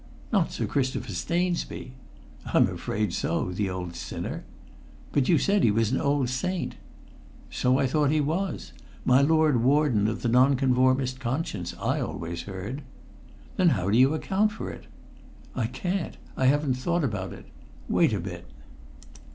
"Not Sir Christopher Stainsby?" "I'm afraid so the old sinner!" "But you said he was an old saint?" "So I thought he was; my lord warden of the Nonconformist conscience, I always heard." "Then how do you account for it?" "I can't. I haven't thought about it. Wait a bit!"